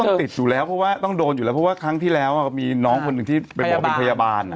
มันติดอยู่แล้วเพราะว่าต้องโดนอยู่แล้วเพราะว่าครั้งที่แล้วก็มีน้องคนหนึ่งที่ไปบอกว่าเป็นพยาบาล